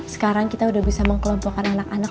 sekarang kita udah bisa mengkelompokkan anak anak